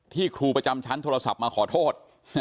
ครูประจำชั้นโทรศัพท์มาขอโทษ